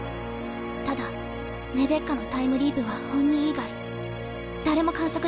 ただレベッカのタイムリープは本人以外誰も観測できない。